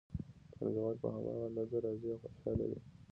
پانګوال په هماغه اندازه راضي او خوشحاله وي